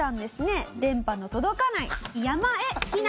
電波の届かない山へ避難。